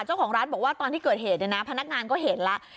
เจ้าของร้านบอกว่าตอนที่เกิดเหตุเนี่ยนะพนักงานก็เห็นแล้ว